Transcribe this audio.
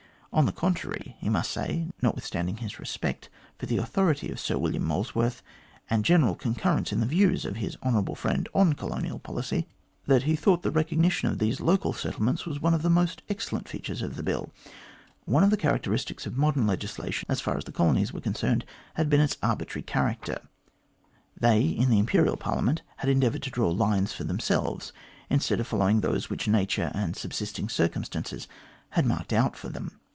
On the contrary, he must say, notwithstanding his respect for the authority of Sir William Molesworth, and general con currence in the views of his hon. friend on colonial policy, 216 THE GLADSTONE COLONY that he thought the recognition of these local settlements one of the most excellent features of the Bill. One of the characteristics of modern legislation, as far as the colonies were concerned, had been its arbitrary character. They, in the Imperial Parliament, had endeavoured to draw lines for themselves instead of following those which nature and subsisting circumstances had marked out for them.